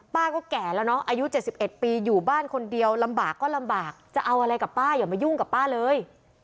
ป้าก็แก่แล้วเนอะอายุ๗๑ปีอยู่บ้านคนเดียวลำบากก็ลำบากจะเอาอะไรกับป้าอย่ามายุ่งกับป้าเลย